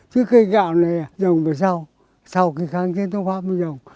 chứ cây gạo này dòng về sau sau kháng chiến thông pháp mới dòng